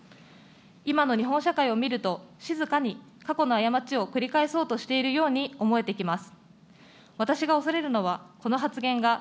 今の日本社会を見ると、静かに過去の過ちを繰り返そうとしていると思えてきます。